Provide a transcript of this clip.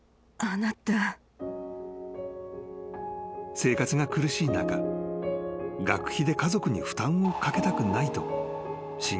［生活が苦しい中学費で家族に負担をかけたくないと］